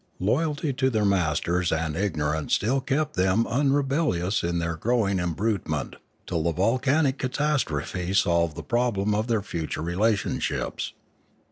Loyalty A Warning 649 to their masters and ignorance still kept them unrebel lious in their growing embrutement, till the volcanic catastrophe solved the problem of their future relation ships.